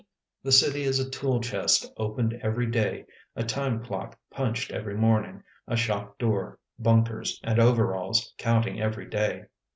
The city is a tool chest opened every day, a time clock punched every morning, a shop door, bunkers and overalls counting every day.